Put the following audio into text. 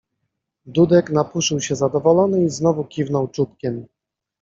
Dudek napuszył się zadowolony i znowu kiwnął czubkiem.